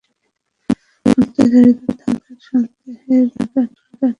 হত্যায় জড়িত থাকার সন্দেহে রনি মুন্নাকে আটকের জন্য তাঁর বাড়িতে অভিযান চালায় পুলিশ।